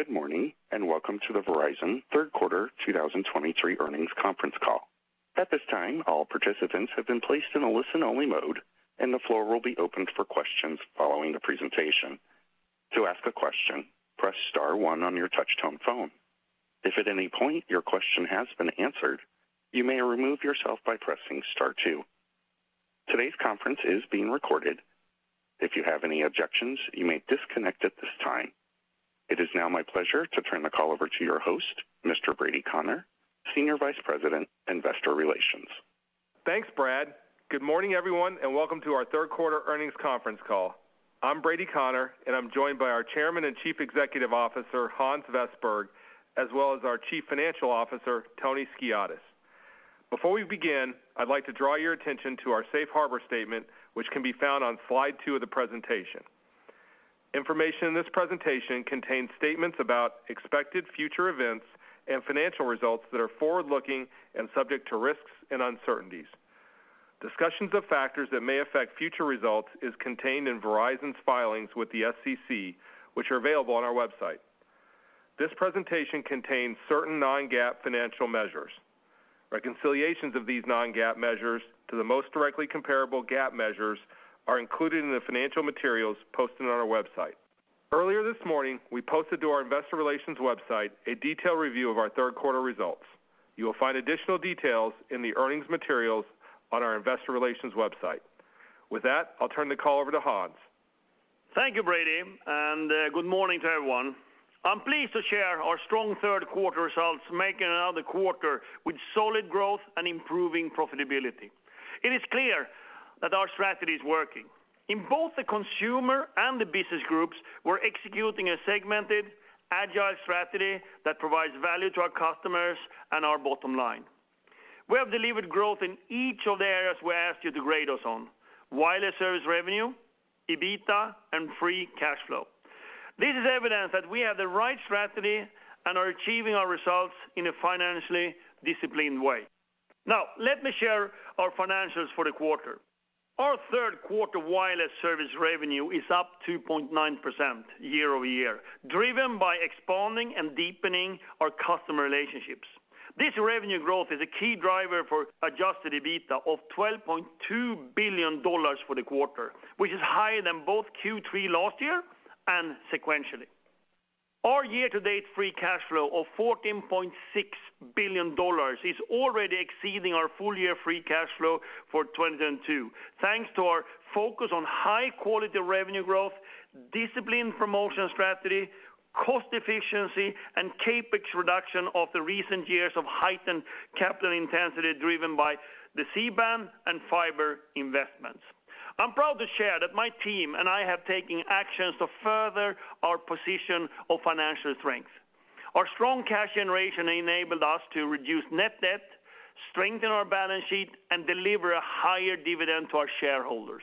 Good morning, and welcome to the Verizon third quarter 2023 earnings conference call. At this time, all participants have been placed in a listen-only mode, and the floor will be opened for questions following the presentation. To ask a question, press star one on your touchtone phone. If at any point your question has been answered, you may remove yourself by pressing star two. Today's conference is being recorded. If you have any objections, you may disconnect at this time. It is now my pleasure to turn the call over to your host, Mr. Brady Connor, Senior Vice President, Investor Relations. Thanks, Brad. Good morning, everyone, and welcome to our third quarter earnings conference call. I'm Brady Connor, and I'm joined by our Chairman and Chief Executive Officer, Hans Vestberg, as well as our Chief Financial Officer, Tony Skiadas. Before we begin, I'd like to draw your attention to our safe harbor statement, which can be found on slide two of the presentation. Information in this presentation contains statements about expected future events and financial results that are forward-looking and subject to risks and uncertainties. Discussions of factors that may affect future results is contained in Verizon's filings with the SEC, which are available on our website. This presentation contains certain non-GAAP financial measures. Reconciliations of these non-GAAP measures to the most directly comparable GAAP measures are included in the financial materials posted on our website. Earlier this morning, we posted to our investor relations website a detailed review of our third quarter results. You will find additional details in the earnings materials on our investor relations website. With that, I'll turn the call over to Hans. Thank you, Brady, and good morning to everyone. I'm pleased to share our strong third quarter results, making another quarter with solid growth and improving profitability. It is clear that our strategy is working. In both the consumer and the business groups, we're executing a segmented, agile strategy that provides value to our customers and our bottom line. We have delivered growth in each of the areas we asked you to grade us on: wireless service revenue, EBITDA, and free cash flow. This is evidence that we have the right strategy and are achieving our results in a financially disciplined way. Now, let me share our financials for the quarter. Our third quarter wireless service revenue is up 2.9% year-over-year, driven by expanding and deepening our customer relationships. This revenue growth is a key driver for adjusted EBITDA of $12.2 billion for the quarter, which is higher than both Q3 last year and sequentially. Our year-to-date free cash flow of $14.6 billion is already exceeding our full-year free cash flow for 2022, thanks to our focus on high-quality revenue growth, disciplined promotion strategy, cost efficiency, and CapEx reduction of the recent years of heightened capital intensity, driven by the C-band and fiber investments. I'm proud to share that my team and I have taken actions to further our position of financial strength. Our strong cash generation enabled us to reduce net debt, strengthen our balance sheet, and deliver a higher dividend to our shareholders.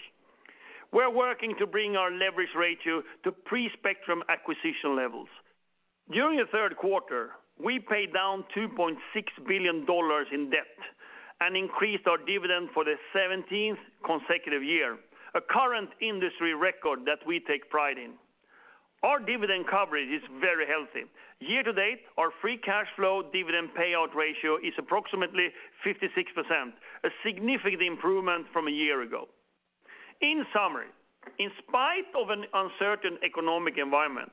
We're working to bring our leverage ratio to pre-spectrum acquisition levels. During the third quarter, we paid down $2.6 billion in debt and increased our dividend for the 17th consecutive year, a current industry record that we take pride in. Our dividend coverage is very healthy. Year-to-date, our free cash flow dividend payout ratio is approximately 56%, a significant improvement from a year ago. In summary, in spite of an uncertain economic environment,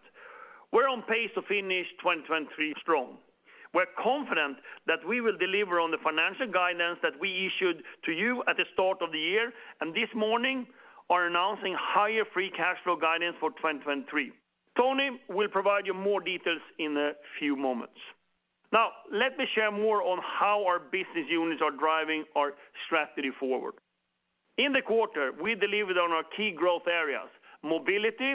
we're on pace to finish 2023 strong. We're confident that we will deliver on the financial guidance that we issued to you at the start of the year, and this morning are announcing higher free cash flow guidance for 2023. Tony will provide you more details in a few moments. Now, let me share more on how our business units are driving our strategy forward. In the quarter, we delivered on our key growth areas, mobility,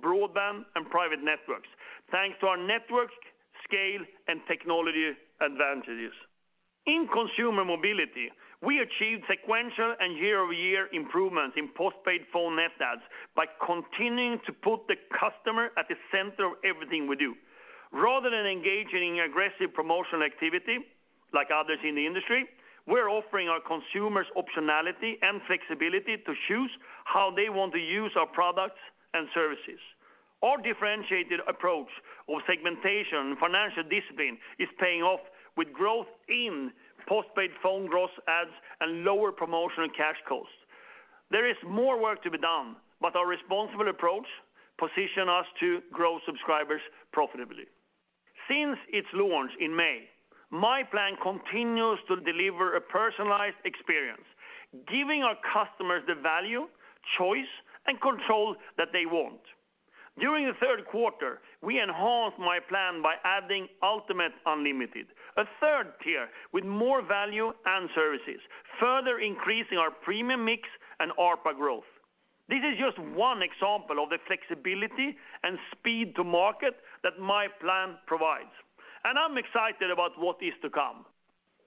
broadband, and private networks, thanks to our network, scale, and technology advantages. In consumer mobility, we achieved sequential and year-over-year improvements in postpaid phone net adds by continuing to put the customer at the center of everything we do. Rather than engaging in aggressive promotional activity, like others in the industry, we're offering our consumers optionality and flexibility to choose how they want to use our products and services. Our differentiated approach of segmentation and financial discipline is paying off with growth in postpaid phone gross adds and lower promotional cash costs. There is more work to be done, but our responsible approach position us to grow subscribers profitably. Since its launch in May, myPlan continues to deliver a personalized experience, giving our customers the value, choice, and control that they want. During the third quarter, we enhanced myPlan by adding Ultimate Unlimited, a third tier with more value and services, further increasing our premium mix and ARPA growth. This is just one example of the flexibility and speed to market that myPlan provides, and I'm excited about what is to come.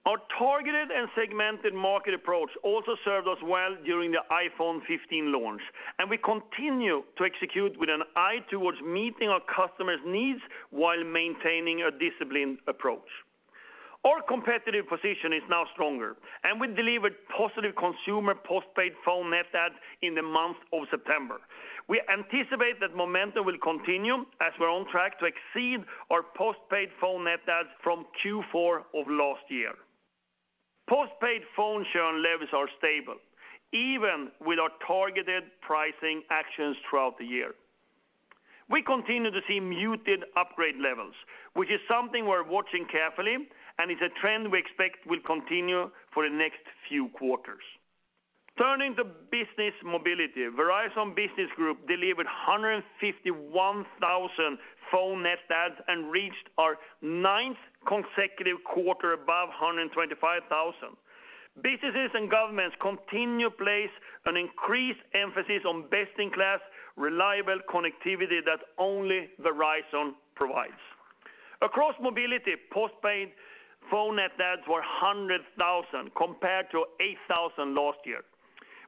Our targeted and segmented market approach also served us well during the iPhone 15 launch, and we continue to execute with an eye towards meeting our customers' needs while maintaining a disciplined approach. Our competitive position is now stronger, and we delivered positive consumer postpaid phone net adds in the month of September. We anticipate that momentum will continue as we're on track to exceed our postpaid phone net adds from Q4 of last year. Postpaid phone churn levels are stable, even with our targeted pricing actions throughout the year. We continue to see muted upgrade levels, which is something we're watching carefully and is a trend we expect will continue for the next few quarters. Turning to business mobility, Verizon Business Group delivered 151,000 phone net adds and reached our ninth consecutive quarter above 125,000. Businesses and governments continue to place an increased emphasis on best-in-class, reliable connectivity that only Verizon provides. Across mobility, postpaid phone net adds were 100,000, compared to 8,000 last year.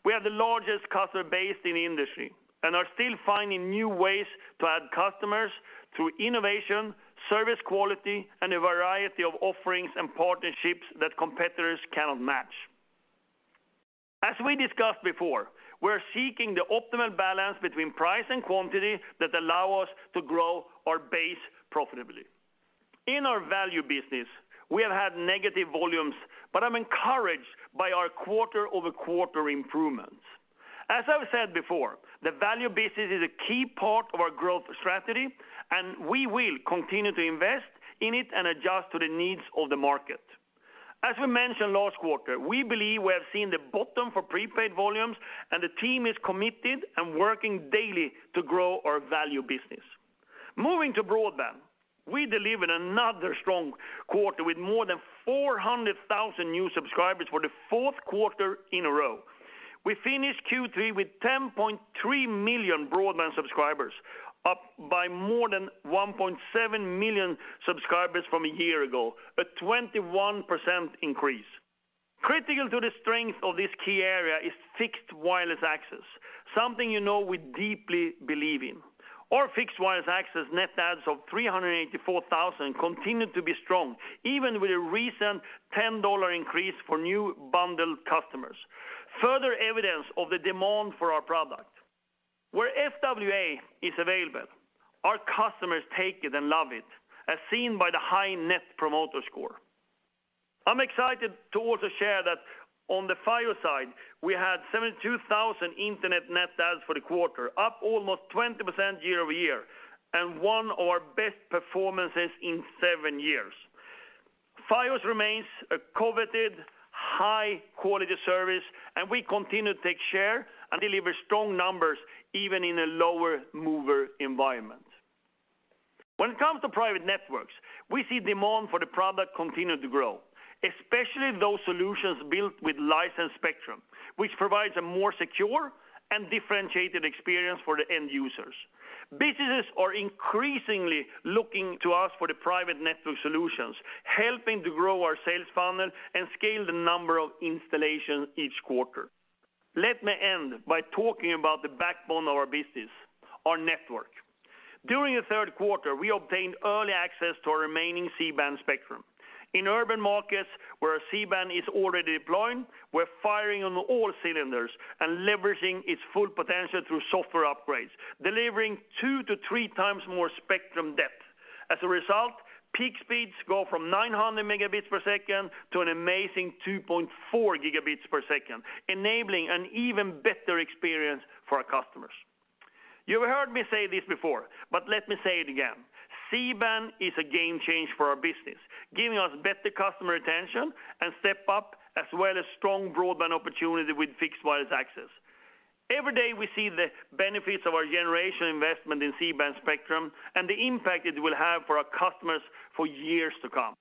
We are the largest customer base in the industry and are still finding new ways to add customers through innovation, service quality, and a variety of offerings and partnerships that competitors cannot match. As we discussed before, we're seeking the optimal balance between price and quantity that allow us to grow our base profitably. In our value business, we have had negative volumes, but I'm encouraged by our quarter-over-quarter improvements. As I've said before, the value business is a key part of our growth strategy, and we will continue to invest in it and adjust to the needs of the market. As we mentioned last quarter, we believe we have seen the bottom for prepaid volumes, and the team is committed and working daily to grow our value business. Moving to broadband, we delivered another strong quarter with more than 400,000 new subscribers for the fourth quarter in a row. We finished Q3 with 10.3 million broadband subscribers, up by more than 1.7 million subscribers from a year ago, a 21% increase. Critical to the strength of this key area is fixed wireless access, something you know we deeply believe in. Our fixed wireless access net adds of 384,000 continued to be strong, even with a recent $10 increase for new bundled customers. Further evidence of the demand for our product. Where FWA is available, our customers take it and love it, as seen by the high Net Promoter Score. I'm excited to also share that on the fiber side, we had 72,000 internet net adds for the quarter, up almost 20% year-over-year, and one of our best performances in seven years. Fios remains a coveted, high-quality service, and we continue to take share and deliver strong numbers, even in a lower-mover environment. When it comes to private networks, we see demand for the product continue to grow, especially those solutions built with licensed spectrum, which provides a more secure and differentiated experience for the end users. Businesses are increasingly looking to us for the private network solutions, helping to grow our sales funnel and scale the number of installations each quarter. Let me end by talking about the backbone of our business, our network. During the third quarter, we obtained early access to our remaining C-band spectrum. In urban markets where our C-band is already deploying, we're firing on all cylinders and leveraging its full potential through software upgrades, delivering two-three times more spectrum depth. As a result, peak speeds go from 900 Mbps to an amazing 2.4 Gbps, enabling an even better experience for our customers. You've heard me say this before, but let me say it again. C-band is a game changer for our business, giving us better customer retention and step up, as well as strong broadband opportunity with fixed wireless access. Every day, we see the benefits of our generation investment in C-band spectrum and the impact it will have for our customers for years to come,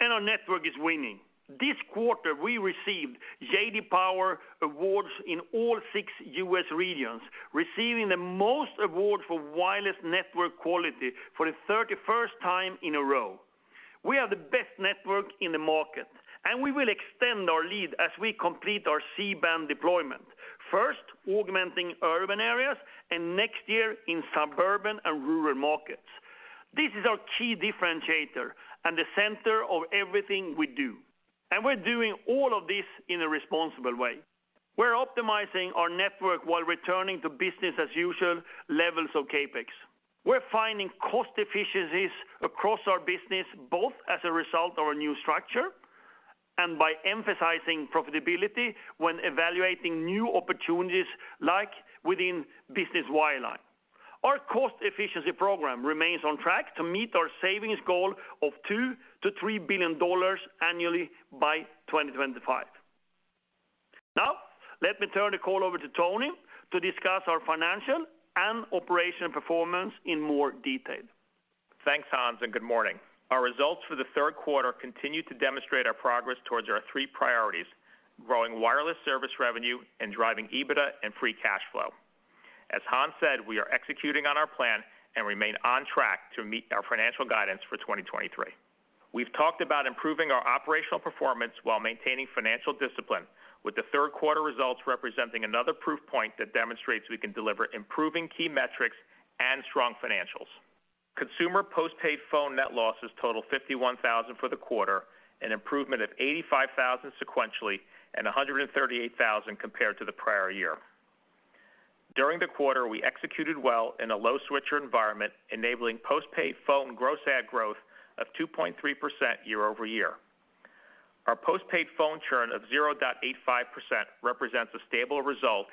and our network is winning. This quarter, we received J.D. Power Awards in all six U.S. regions, receiving the most awards for wireless network quality for the thirty-first time in a row. We are the best network in the market, and we will extend our lead as we complete our C-band deployment, first augmenting urban areas and next year in suburban and rural markets. This is our key differentiator and the center of everything we do, and we're doing all of this in a responsible way. We're optimizing our network while returning to business-as-usual levels of CapEx. We're finding cost efficiencies across our business, both as a result of our new structure and by emphasizing profitability when evaluating new opportunities, like within business wireline. Our cost efficiency program remains on track to meet our savings goal of $2 billion-$3 billion annually by 2025. Now, let me turn the call over to Tony to discuss our financial and operational performance in more detail. Thanks, Hans, and good morning. Our results for the third quarter continue to demonstrate our progress towards our three priorities, growing wireless service revenue and driving EBITDA and free cash flow. As Hans said, we are executing on our plan and remain on track to meet our financial guidance for 2023. We've talked about improving our operational performance while maintaining financial discipline, with the third quarter results representing another proof point that demonstrates we can deliver improving key metrics and strong financials. Consumer postpaid phone net losses total 51,000 for the quarter, an improvement of 85,000 sequentially, and 138,000 compared to the prior year. During the quarter, we executed well in a low switcher environment, enabling postpaid phone gross add growth of 2.3% year-over-year. Our postpaid phone churn of 0.85% represents a stable result,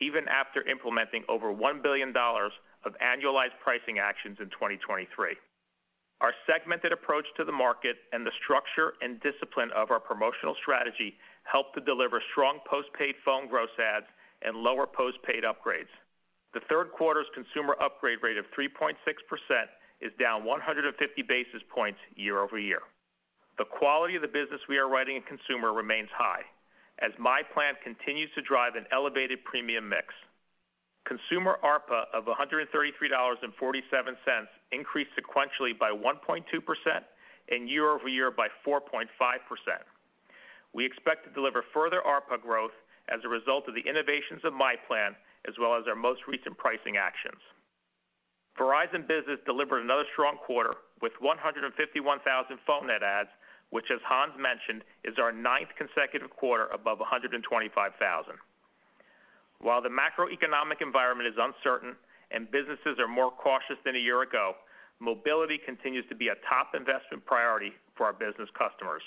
even after implementing over $1 billion of annualized pricing actions in 2023. Our segmented approach to the market and the structure and discipline of our promotional strategy helped to deliver strong postpaid phone gross adds and lower postpaid upgrades. The third quarter's consumer upgrade rate of 3.6% is down 150 basis points year-over-year. The quality of the business we are writing in consumer remains high, as myPlan continues to drive an elevated premium mix. Consumer ARPA of $133.47 increased sequentially by 1.2% and year-over-year by 4.5%. We expect to deliver further ARPA growth as a result of the innovations of myPlan, as well as our most recent pricing actions. Verizon Business delivered another strong quarter, with 151,000 phone net adds, which, as Hans mentioned, is our ninth consecutive quarter above 125,000. While the macroeconomic environment is uncertain and businesses are more cautious than a year ago, mobility continues to be a top investment priority for our business customers.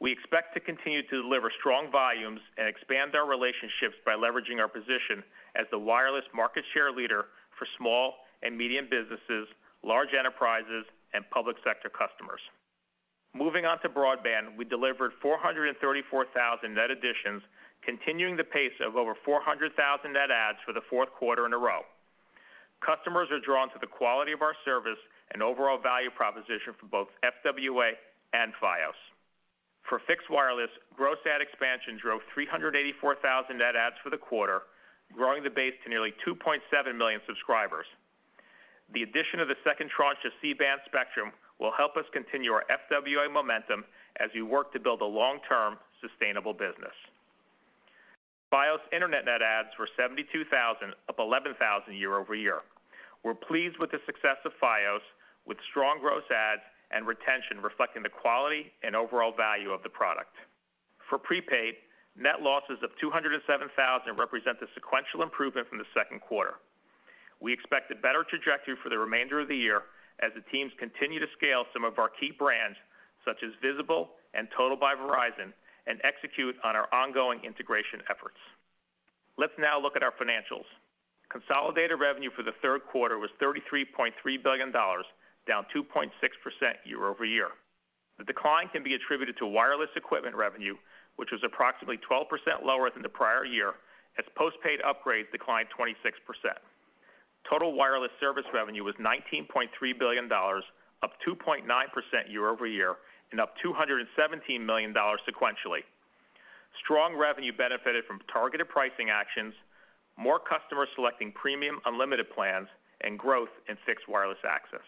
We expect to continue to deliver strong volumes and expand our relationships by leveraging our position as the wireless market share leader for small and medium businesses, large enterprises, and public sector customers. Moving on to broadband, we delivered 434,000 net additions, continuing the pace of over 400,000 net adds for the fourth quarter in a row. Customers are drawn to the quality of our service and overall value proposition for both FWA and Fios. For fixed wireless, gross add expansion drove 384,000 net adds for the quarter, growing the base to nearly 2.7 million subscribers. The addition of the second tranche of C-band spectrum will help us continue our FWA momentum as we work to build a long-term, sustainable business. Fios Internet net adds were 72,000, up 11,000 year-over-year. We're pleased with the success of Fios, with strong gross adds and retention reflecting the quality and overall value of the product. For prepaid, net losses of 207,000 represent the sequential improvement from the second quarter. We expect a better trajectory for the remainder of the year as the teams continue to scale some of our key brands, such as Visible and Total by Verizon, and execute on our ongoing integration efforts. Let's now look at our financials. Consolidated revenue for the third quarter was $33.3 billion, down 2.6% year-over-year. The decline can be attributed to wireless equipment revenue, which was approximately 12% lower than the prior year, as postpaid upgrades declined 26%. Total wireless service revenue was $19.3 billion, up 2.9% year-over-year and up $217 million sequentially. Strong revenue benefited from targeted pricing actions, more customers selecting premium unlimited plans, and growth in fixed wireless access.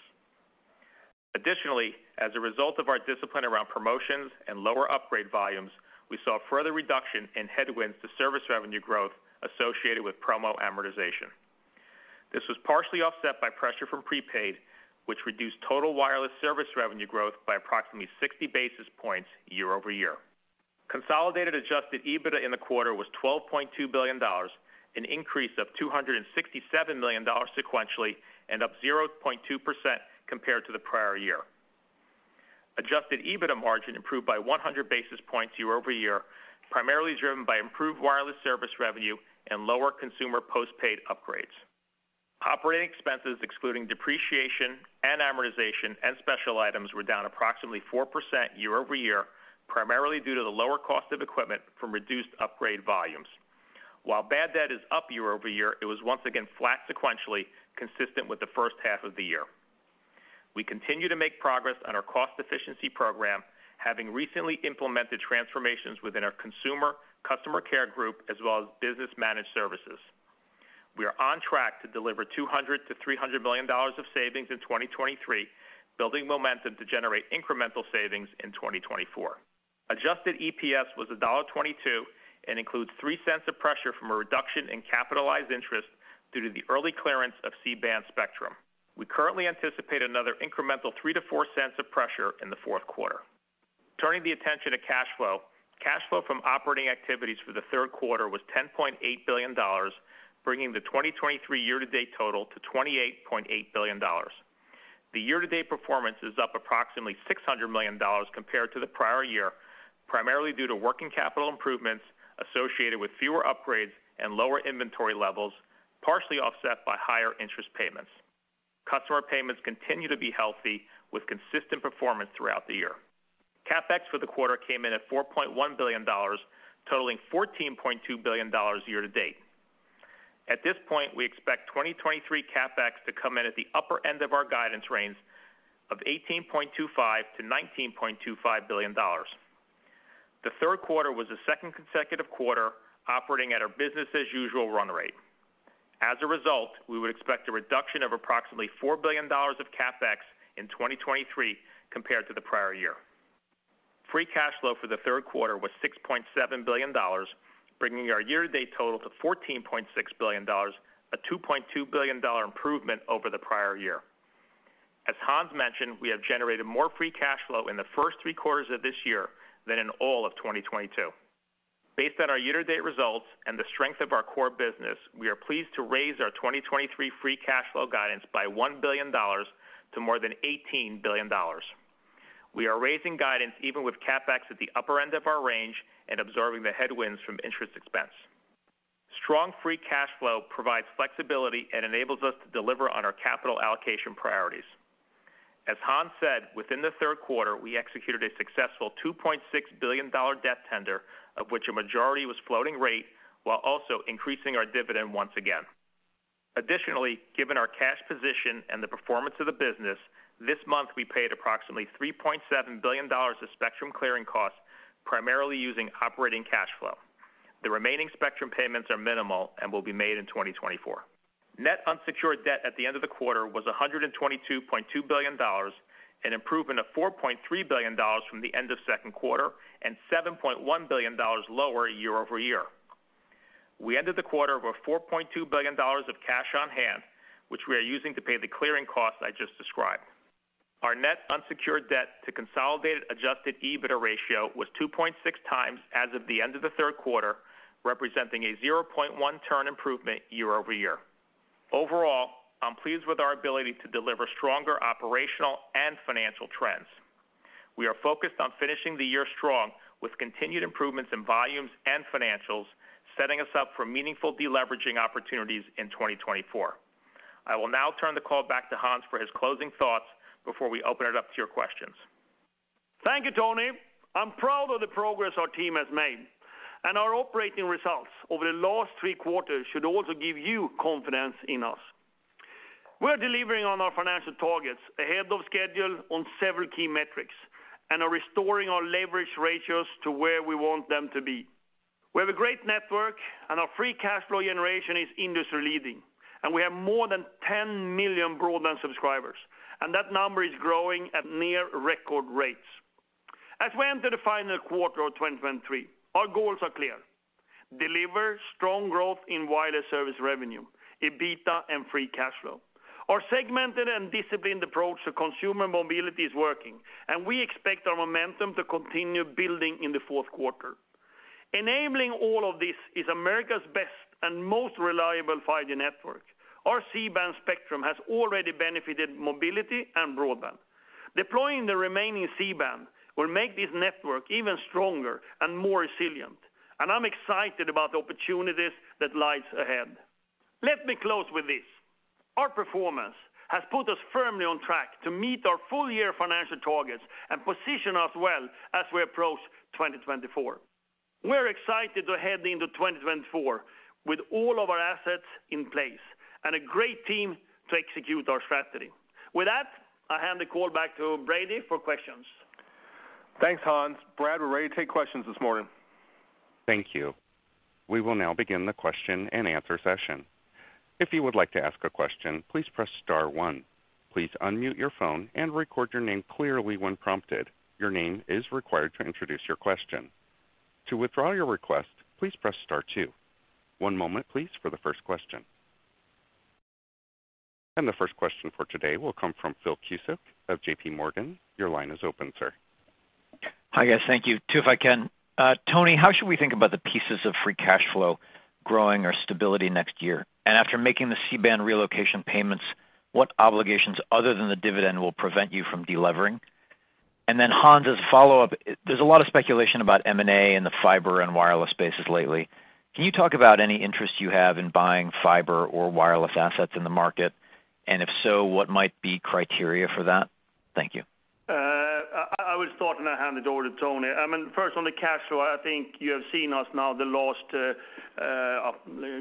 Additionally, as a result of our discipline around promotions and lower upgrade volumes, we saw a further reduction in headwinds to service revenue growth associated with promo amortization. This was partially offset by pressure from prepaid, which reduced total wireless service revenue growth by approximately 60 basis points year-over-year. Consolidated adjusted EBITDA in the quarter was $12.2 billion, an increase of $267 million sequentially and up 0.2% compared to the prior year. Adjusted EBITDA margin improved by 100 basis points year-over-year, primarily driven by improved wireless service revenue and lower consumer postpaid upgrades. Operating expenses, excluding depreciation and amortization and special items, were down approximately 4% year-over-year, primarily due to the lower cost of equipment from reduced upgrade volumes. While bad debt is up year-over-year, it was once again flat sequentially, consistent with the first half of the year. We continue to make progress on our cost efficiency program, having recently implemented transformations within our consumer customer care group, as well as business managed services. We are on track to deliver $200 million-$300 million of savings in 2023, building momentum to generate incremental savings in 2024. Adjusted EPS was $1.22 and includes 0.03 of pressure from a reduction in capitalized interest due to the early clearance of C-band spectrum. We currently anticipate another incremental 0.03-0.04 of pressure in the fourth quarter. Turning the attention to cash flow. Cash flow from operating activities for the third quarter was $10.8 billion, bringing the 2023 year-to-date total to $28.8 billion. The year-to-date performance is up approximately $600 million compared to the prior year, primarily due to working capital improvements associated with fewer upgrades and lower inventory levels, partially offset by higher interest payments. Customer payments continue to be healthy, with consistent performance throughout the year. CapEx for the quarter came in at $4.1 billion, totaling $14.2 billion year-to-date. At this point, we expect 2023 CapEx to come in at the upper end of our guidance range of $18.25-$19.25 billion. The third quarter was the second consecutive quarter operating at our business as usual run rate. As a result, we would expect a reduction of approximately $4 billion of CapEx in 2023 compared to the prior year. Free cash flow for the third quarter was $6.7 billion, bringing our year-to-date total to $14.6 billion, a $2.2 billion improvement over the prior year. As Hans mentioned, we have generated more free cash flow in the first three quarters of this year than in all of 2022. Based on our year-to-date results and the strength of our core business, we are pleased to raise our 2023 free cash flow guidance by $1 billion to more than $18 billion. We are raising guidance even with CapEx at the upper end of our range and absorbing the headwinds from interest expense. Strong free cash flow provides flexibility and enables us to deliver on our capital allocation priorities. As Hans said, within the third quarter, we executed a successful $2.6 billion dollar debt tender, of which a majority was floating rate, while also increasing our dividend once again. Additionally, given our cash position and the performance of the business, this month, we paid approximately $3.7 billion of spectrum clearing costs, primarily using operating cash flow. The remaining spectrum payments are minimal and will be made in 2024. Net unsecured debt at the end of the quarter was $122.2 billion, an improvement of $4.3 billion from the end of second quarter and $7.1 billion lower year-over-year. We ended the quarter with $4.2 billion of cash on hand, which we are using to pay the clearing costs I just described. Our net unsecured debt to consolidated adjusted EBITDA ratio was 2.6 times as of the end of the third quarter, representing a 0.1 turn improvement year-over-year. Overall, I'm pleased with our ability to deliver stronger operational and financial trends. We are focused on finishing the year strong with continued improvements in volumes and financials, setting us up for meaningful deleveraging opportunities in 2024. I will now turn the call back to Hans for his closing thoughts before we open it up to your questions. Thank you, Tony. I'm proud of the progress our team has made, and our operating results over the last three quarters should also give you confidence in us. We're delivering on our financial targets ahead of schedule on several key metrics and are restoring our leverage ratios to where we want them to be. We have a great network, and our free cash flow generation is industry-leading, and we have more than 10 million broadband subscribers, and that number is growing at near record rates. As we enter the final quarter of 2023, our goals are clear: deliver strong growth in wireless service revenue, EBITDA, and free cash flow. Our segmented and disciplined approach to consumer mobility is working, and we expect our momentum to continue building in the fourth quarter. Enabling all of this is America's best and most reliable 5G network. Our C-band spectrum has already benefited mobility and broadband. Deploying the remaining C-band will make this network even stronger and more resilient, and I'm excited about the opportunities that lies ahead. Let me close with this. Our performance has put us firmly on track to meet our full-year financial targets and position us well as we approach 2024. We're excited to head into 2024 with all of our assets in place and a great team to execute our strategy. With that, I hand the call back to Brady for questions. Thanks, Hans. Brad, we're ready to take questions this morning. Thank you. We will now begin the question-and-answer session. If you would like to ask a question, please press star one. Please unmute your phone and record your name clearly when prompted. Your name is required to introduce your question. To withdraw your request, please press star two. One moment, please, for the first question. The first question for today will come from Phil Cusick of J.P. Morgan. Your line is open, sir. Hi, guys. Thank you. Two, if I can. Tony, how should we think about the pieces of free cash flow growing or stability next year? And after making the C-band relocation payments, what obligations other than the dividend will prevent you from delevering? And then, Hans, as a follow-up, there's a lot of speculation about M&A in the fiber and wireless spaces lately. Can you talk about any interest you have in buying fiber or wireless assets in the market? And if so, what might be criteria for that? Thank you. I would start and hand it over to Tony. I mean, first, on the cash flow, I think you have seen us now the last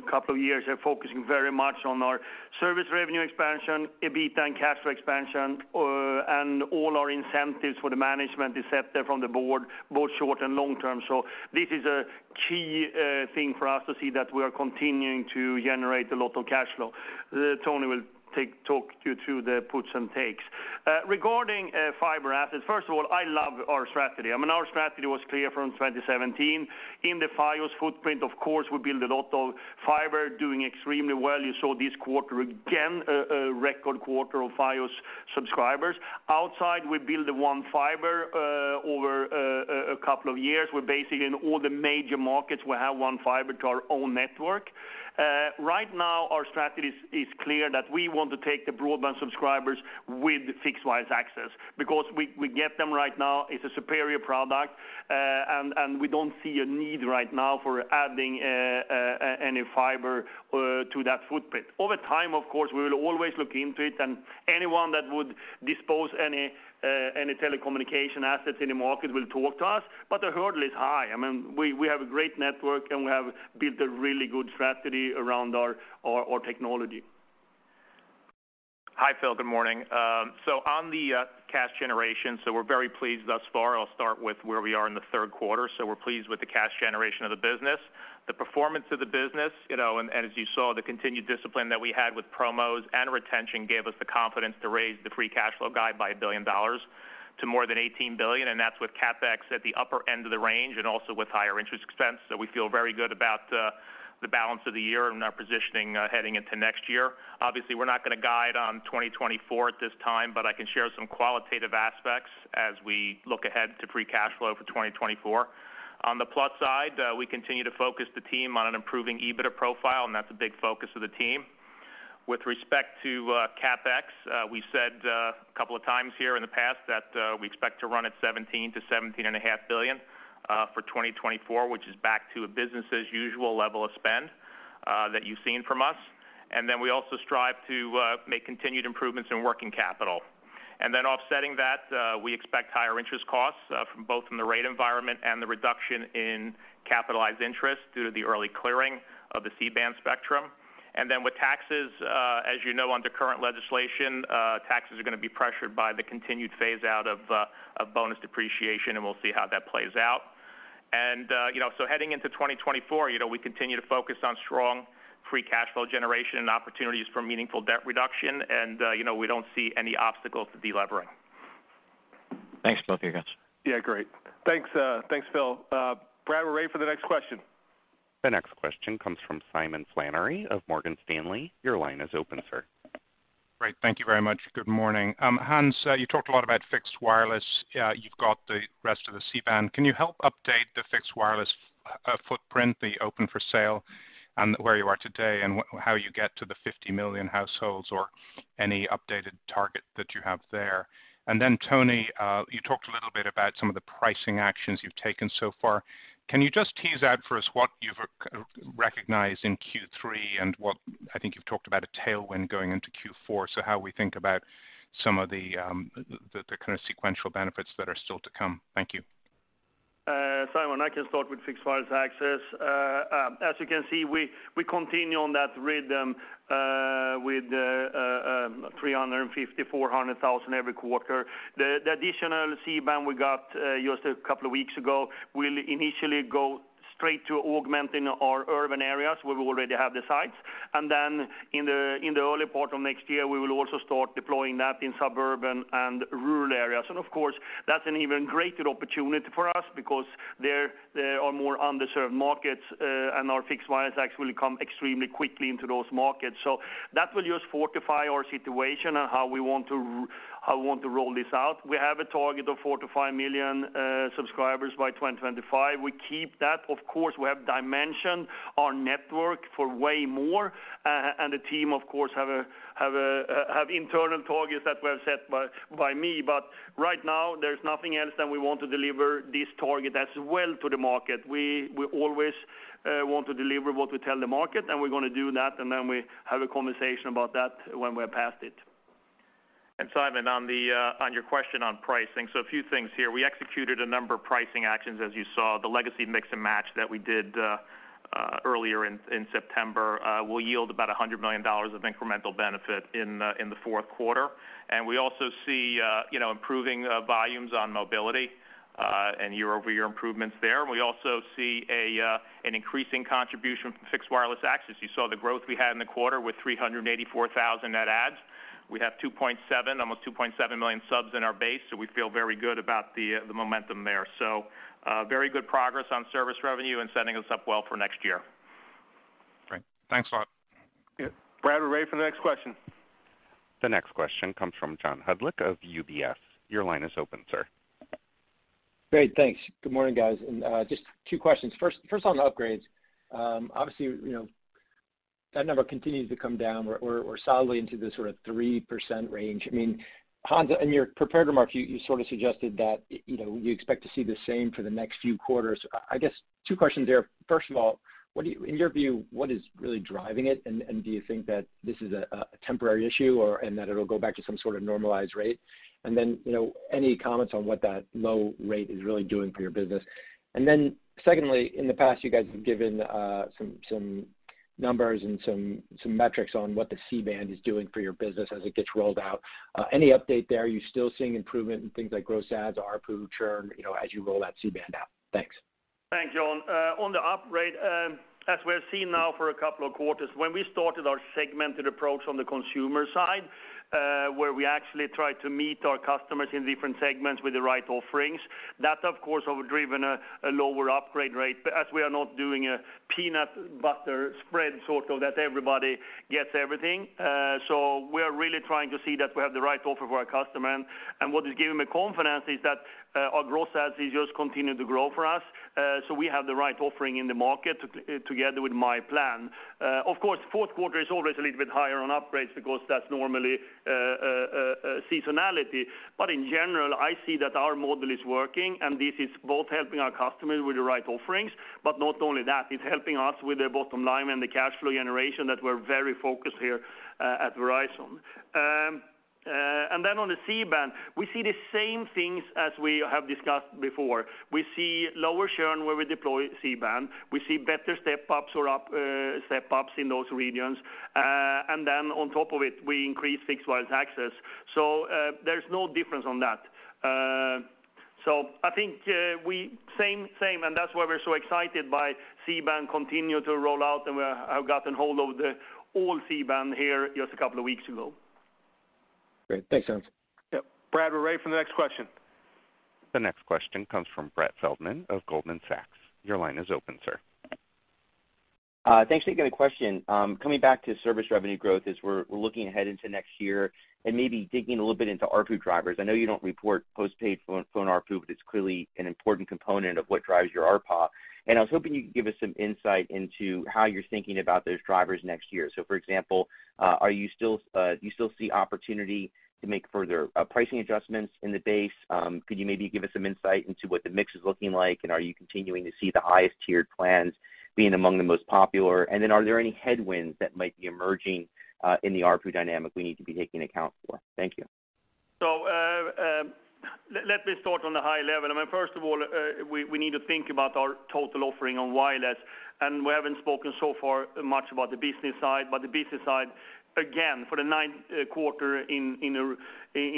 couple of years, focusing very much on our service revenue expansion, EBITDA, and cash flow expansion, and all our incentives for the management is set there from the board, both short and long term. So this is a key thing for us to see that we are continuing to generate a lot of cash flow. Tony will take you through the puts and takes. Regarding fiber assets, first of all, I love our strategy. I mean, our strategy was clear from 2017. In the Fios footprint, of course, we build a lot of fiber, doing extremely well. You saw this quarter, again, a record quarter of Fios subscribers. Outside, we build the One Fiber over a couple of years. We're basically in all the major markets, we have One Fiber to our own network. Right now, our strategy is clear that we want to take the broadband subscribers with fixed wireless access because we get them right now, it's a superior product, and we don't see a need right now for adding any fiber to that footprint. Over time, of course, we will always look into it, and anyone that would dispose any telecommunication assets in the market will talk to us, but the hurdle is high. I mean, we have a great network, and we have built a really good strategy around our technology. Hi, Phil, good morning. So on the cash generation, so we're very pleased thus far. I'll start with where we are in the third quarter. So we're pleased with the cash generation of the business, the performance of the business, you know, and, and as you saw, the continued discipline that we had with promos and retention gave us the confidence to raise the free cash flow guide by $1 billion to more than 18 billion, and that's with CapEx at the upper end of the range and also with higher interest expense. So we feel very good about the balance of the year and our positioning heading into next year. Obviously, we're not going to guide on 2024 at this time, but I can share some qualitative aspects as we look ahead to free cash flow for 2024. On the plus side, we continue to focus the team on an improving EBITDA profile, and that's a big focus of the team. With respect to CapEx, we said a couple of times here in the past that we expect to run at 17 billion-17.5 billion for 2024, which is back to a business as usual level of spend that you've seen from us. And then we also strive to make continued improvements in working capital. And then offsetting that, we expect higher interest costs from both from the rate environment and the reduction in capitalized interest due to the early clearing of the C-band spectrum. Then with taxes, as you know, under current legislation, taxes are going to be pressured by the continued phase out of bonus depreciation, and we'll see how that plays out. You know, so heading into 2024, you know, we continue to focus on strong free cash flow generation and opportunities for meaningful debt reduction, and, you know, we don't see any obstacles to delevering. Thanks to both you guys. Yeah, great. Thanks, thanks, Phil. Brad, we're ready for the next question. The next question comes from Simon Flannery of Morgan Stanley. Your line is open, sir. Great. Thank you very much. Good morning. Hans, you talked a lot about fixed wireless. You've got the rest of the C-band. Can you help update the fixed wireless footprint, the open for sale, and where you are today and how you get to the 50 million households or any updated target that you have there? And then, Tony, you talked a little bit about some of the pricing actions you've taken so far. Can you just tease out for us what you've recognized in Q3 and what I think you've talked about a tailwind going into Q4? So how we think about some of the kind of sequential benefits that are still to come. Thank you. Simon, I can start with fixed wireless access. As you can see, we continue on that rhythm with 350-400 thousand every quarter. The additional C-band we got just a couple of weeks ago will initially go straight to augmenting our urban areas, where we already have the sites. Then in the early part of next year, we will also start deploying that in suburban and rural areas. Of course, that's an even greater opportunity for us because there are more underserved markets, and our fixed wireless access actually come extremely quickly into those markets. So that will just fortify our situation and how we want to roll this out. We have a target of four-five million subscribers by 2025. We keep that. Of course, we have dimensioned our network for way more, and the team, of course, have internal targets that were set by me. But right now, there's nothing else than we want to deliver this target as well to the market. We always want to deliver what we tell the market, and we're going to do that, and then we have a conversation about that when we're past it. Simon, on your question on pricing. So a few things here: We executed a number of pricing actions, as you saw. The legacy Mix & Match that we did earlier in September will yield about $100 million of incremental benefit in the fourth quarter. And we also see, you know, improving volumes on mobility and year-over-year improvements there. We also see an increasing contribution from fixed wireless access. You saw the growth we had in the quarter with 384,000 net adds. We have 2.7, almost 2.7 million subs in our base, so we feel very good about the momentum there. So, very good progress on service revenue and setting us up well for next year. Great. Thanks a lot. Yeah. Brad, we're ready for the next question. The next question comes from John Hodulik of UBS. Your line is open, sir. Great, thanks. Good morning, guys. And just two questions. First on upgrades. Obviously, you know, that number continues to come down. We're solidly into the sort of 3% range. I mean, Hans, in your prepared remarks, you sort of suggested that you know, you expect to see the same for the next few quarters. I guess two questions there. First of all, what do you... In your view, what is really driving it? And do you think that this is a temporary issue or that it'll go back to some sort of normalized rate? And then, you know, any comments on what that low rate is really doing for your business? And then secondly, in the past, you guys have given some numbers and some metrics on what the C-band is doing for your business as it gets rolled out. Any update there? Are you still seeing improvement in things like gross adds, ARPU, churn, you know, as you roll that C-band out? Thanks. Thanks, John. On the upgrade, as we're seeing now for a couple of quarters, when we started our segmented approach on the consumer side, where we actually tried to meet our customers in different segments with the right offerings, that, of course, have driven a lower upgrade rate. But as we are not doing a peanut butter spread, sort of, that everybody gets everything, so we are really trying to see that we have the right offer for our customer. And what is giving me confidence is that, our gross adds is just continuing to grow for us, so we have the right offering in the market together with myPlan. Of course, fourth quarter is always a little bit higher on upgrades because that's normally seasonality. But in general, I see that our model is working, and this is both helping our customers with the right offerings, but not only that, it's helping us with the bottom line and the cash flow generation that we're very focused here at Verizon. And then on the C-band, we see the same things as we have discussed before. We see lower churn where we deploy C-band. We see better step-ups or up step-ups in those regions. And then on top of it, we increase fixed wireless access. So, there's no difference on that. So I think, we same, same, and that's why we're so excited by C-band continue to roll out, and we have gotten hold of the all C-band here just a couple of weeks ago. Great. Thanks, Hans. Yep, Brad, we're ready for the next question. The next question comes from Brett Feldman of Goldman Sachs. Your line is open, sir. Thanks for taking the question. Coming back to service revenue growth as we're looking ahead into next year and maybe digging a little bit into ARPU drivers. I know you don't report postpaid phone ARPU, but it's clearly an important component of what drives your ARPA. And I was hoping you could give us some insight into how you're thinking about those drivers next year. So, for example, do you still see opportunity to make further pricing adjustments in the base? Could you maybe give us some insight into what the mix is looking like? And are you continuing to see the highest tiered plans being among the most popular? And then are there any headwinds that might be emerging in the ARPU dynamic we need to be taking account for? Thank you. So, let me start on the high level. I mean, first of all, we need to think about our total offering on wireless, and we haven't spoken so far much about the business side, but the business side, again, for the ninth quarter in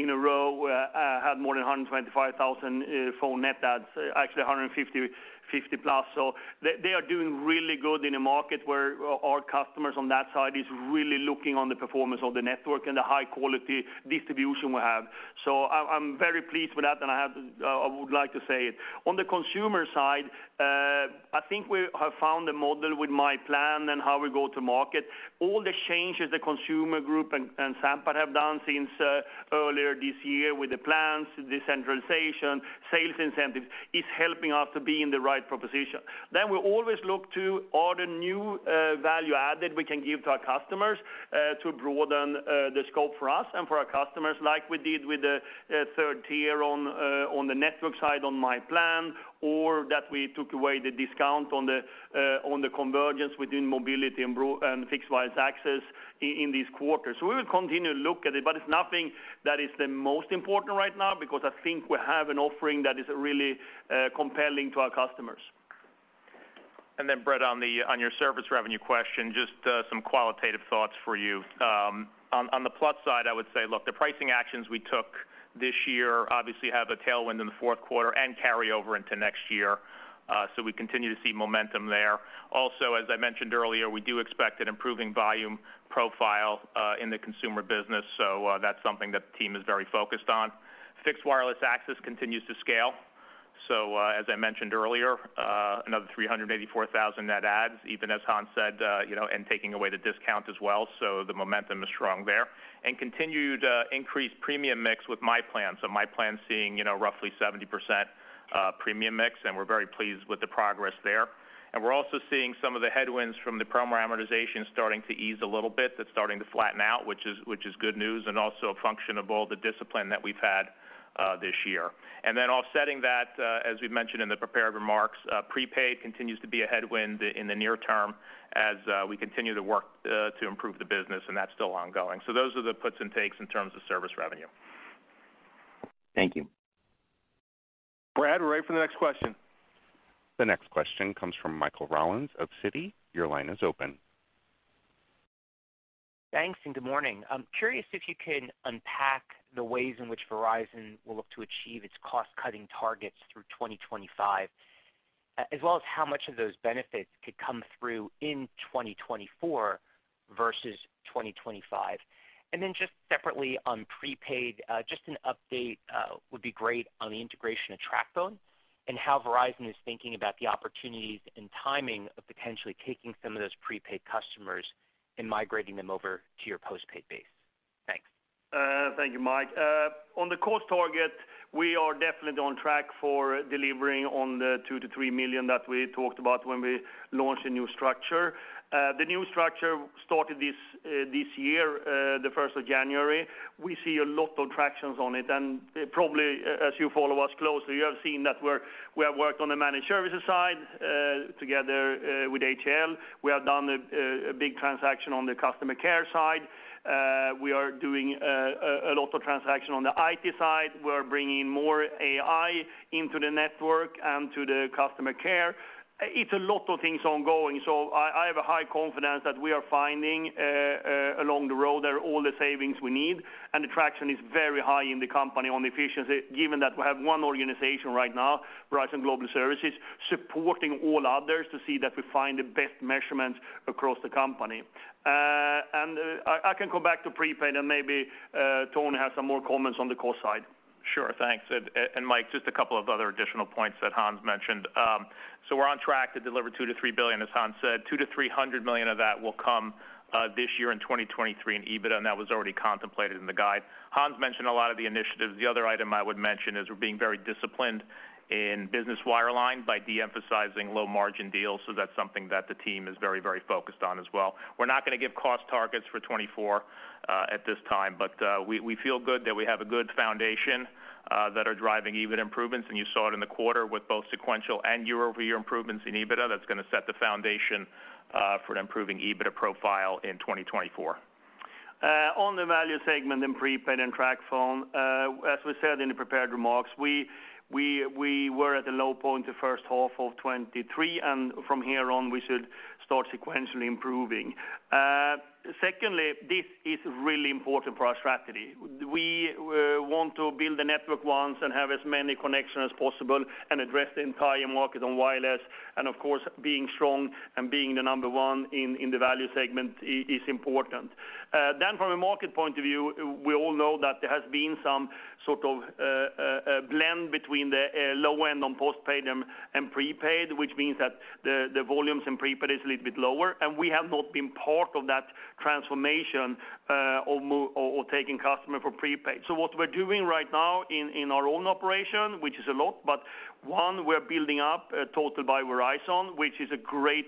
a row, had more than 125,000 phone net adds, actually 150 plus. So they are doing really good in a market where our customers on that side is really looking on the performance of the network and the high-quality distribution we have. So I, I'm very pleased with that, and I have, I would like to say it. On the consumer side, I think we have found a model with myPlan and how we go to market. All the changes the consumer group and Sampath have done since earlier this year with the plans, decentralization, sales incentives, is helping us to be in the right proposition. Then we always look to all the new value add that we can give to our customers to broaden the scope for us and for our customers, like we did with the third tier on the network side, on myPlan, or that we took away the discount on the convergence within mobility and broadband and fixed wireless access in this quarter. So we will continue to look at it, but it's nothing that is the most important right now, because I think we have an offering that is really compelling to our customers. Then, Brett, on the, on your service revenue question, some qualitative thoughts for you. On, on the plus side, I would say, look, the pricing actions we took this year obviously have a tailwind in the fourth quarter and carry over into next year, so we continue to see momentum there. Also, as I mentioned earlier, we do expect an improving volume profile in the consumer business, so that's something that the team is very focused on. fixed wireless access continues to scale. So, as I mentioned earlier, another 384,000 net adds, even as Hans said, you know, and taking away the discount as well, so the momentum is strong there. And continued increased premium mix with myPlan. So myPlan is seeing, you know, roughly 70%, premium mix, and we're very pleased with the progress there. And we're also seeing some of the headwinds from the promo amortization starting to ease a little bit. That's starting to flatten out, which is good news and also a function of all the discipline that we've had this year. And then offsetting that, as we've mentioned in the prepared remarks, prepaid continues to be a headwind in the near term as we continue to work to improve the business, and that's still ongoing. So those are the puts and takes in terms of service revenue. Thank you. Brad, we're ready for the next question. The next question comes from Michael Rollins of Citi. Your line is open. Thanks, and good morning. I'm curious if you can unpack the ways in which Verizon will look to achieve its cost-cutting targets through 2025, as well as how much of those benefits could come through in 2024 versus 2025? And then just separately on prepaid, just an update, would be great on the integration of TracFone and how Verizon is thinking about the opportunities and timing of potentially taking some of those prepaid customers and migrating them over to your postpaid base. Thanks. Thank you, Mike. On the cost target, we are definitely on track for delivering on the two million-three million that we talked about when we launched a new structure. The new structure started this year, the first of January. We see a lot of tractions on it, and probably, as you follow us closely, you have seen that we have worked on the managed services side, together, with HCL. We have done a big transaction on the customer care side. We are doing a lot of transactions on the IT side. We're bringing more AI into the network and to the customer care. It's a lot of things ongoing, so I, I have a high confidence that we are finding, along the road there, all the savings we need, and the traction is very high in the company on efficiency, given that we have one organization right now, Verizon Global Services, supporting all others to see that we find the best measurements across the company. And I, I can go back to prepaid, and maybe, Tony has some more comments on the cost side. Sure. Thanks. And, and Mike, just a couple of other additional points that Hans mentioned. So we're on track to deliver two billion-three billion, as Hans said. 200 million-300 million of that will come this year in 2023 in EBITDA, and that was already contemplated in the guide. Hans mentioned a lot of the initiatives. The other item I would mention is we're being very disciplined in business wireline by de-emphasizing low-margin deals, so that's something that the team is very, very focused on as well. We're not going to give cost targets for 2024 at this time, but we feel good that we have a good foundation that are driving EBIT improvements, and you saw it in the quarter with both sequential and year-over-year improvements in EBITDA. That's going to set the foundation, for an improving EBITDA profile in 2024.... On the value segment in prepaid and TracFone, as we said in the prepared remarks, we were at the low point the first half of 2023, and from here on, we should start sequentially improving. Secondly, this is really important for our strategy. We want to build a network once and have as many connections as possible and address the entire market on wireless, and of course, being strong and being the number one in the value segment is important. Then from a market point of view, we all know that there has been some sort of a blend between the low end on postpaid and prepaid, which means that the volumes in prepaid is a little bit lower, and we have not been part of that transformation, or taking customer for prepaid. So what we're doing right now in our own operation, which is a lot, but one, we're building up a Total by Verizon, which is a great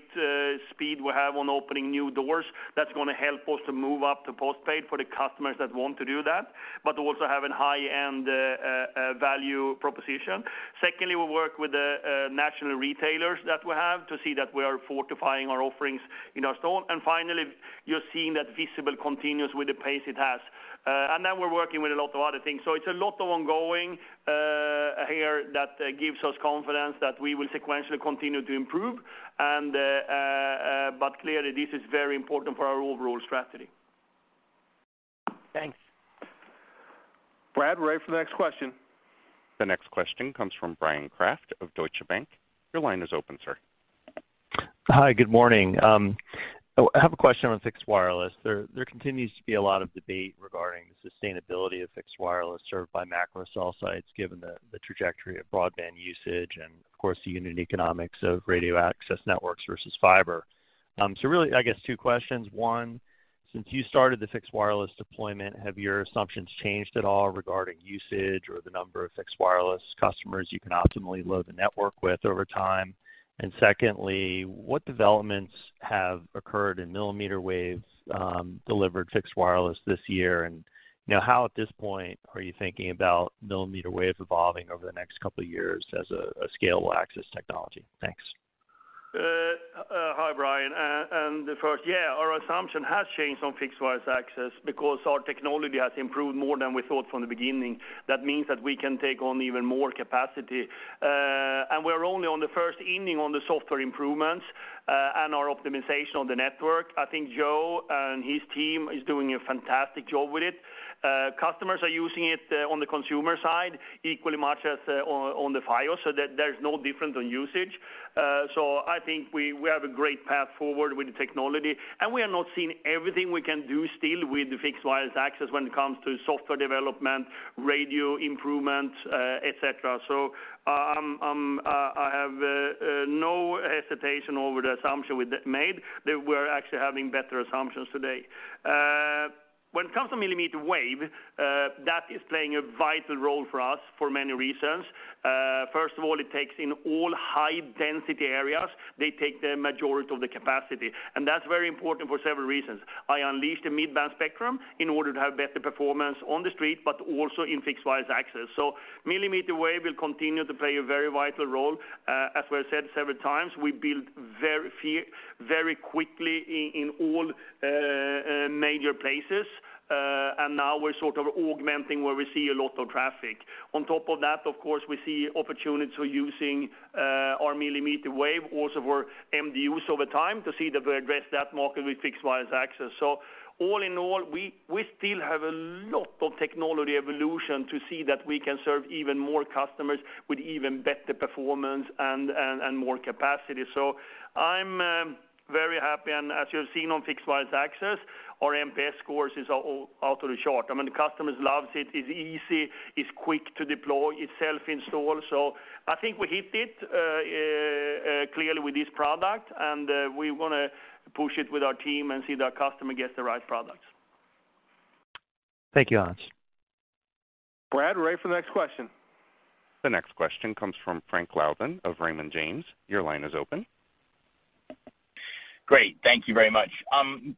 speed we have on opening new doors. That's gonna help us to move up to postpaid for the customers that want to do that, but also having high-end a value proposition. Secondly, we work with the national retailers that we have to see that we are fortifying our offerings in our store. And finally, you're seeing that Visible continues with the pace it has. And then we're working with a lot of other things. So it's a lot of ongoing here that gives us confidence that we will sequentially continue to improve. But clearly, this is very important for our overall strategy. Thanks. Brad, we're ready for the next question. The next question comes from Brian Kraft of Deutsche Bank. Your line is open, sir. Hi, good morning. I have a question on fixed wireless. There continues to be a lot of debate regarding the sustainability of fixed wireless served by macro cell sites, given the trajectory of broadband usage, and of course, the unit economics of radio access networks versus fiber. So really, I guess two questions. One, since you started the fixed wireless deployment, have your assumptions changed at all regarding usage or the number of fixed wireless customers you can optimally load the network with over time? And secondly, what developments have occurred in millimeter waves delivered fixed wireless this year? And, you know, how, at this point, are you thinking about millimeter wave evolving over the next couple of years as a scalable access technology? Thanks. Hi, Brian. Our assumption has changed on fixed wireless access because our technology has improved more than we thought from the beginning. That means that we can take on even more capacity. We're only on the first inning on the software improvements and our optimization on the network. I think Joe and his team is doing a fantastic job with it. Customers are using it on the consumer side equally much as on the Fios, so that there's no difference on usage. So I think we have a great path forward with the technology, and we are not seeing everything we can do still with the fixed wireless access when it comes to software development, radio improvements, et cetera. I have no hesitation over the assumption we made, that we're actually having better assumptions today. When it comes to millimeter wave, that is playing a vital role for us for many reasons. First of all, it takes in all high-density areas, they take the majority of the capacity, and that's very important for several reasons. I unleashed the mid-band spectrum in order to have better performance on the street, but also in fixed wireless access. So millimeter wave will continue to play a very vital role. As we have said several times, we build very quickly in all major places, and now we're sort of augmenting where we see a lot of traffic. On top of that, of course, we see opportunities for using our millimeter wave also for MDUs over time to see that we address that market with fixed wireless access. So all in all, we still have a lot of technology evolution to see that we can serve even more customers with even better performance and more capacity. So I'm very happy, and as you've seen on fixed wireless access, our NPS scores is out of the chart. I mean, the customers loves it. It's easy, it's quick to deploy, it's self-install. So I think we hit it clearly with this product, and we want to push it with our team and see that our customer gets the right products. Thank you, Hans. Brad, we're ready for the next question. The next question comes from Frank Louthan of Raymond James. Your line is open. Great. Thank you very much.